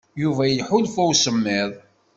Yuba iḥulfa i usemmid.